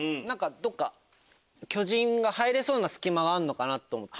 どっか巨人が入れそうな隙間があるのかなと思って。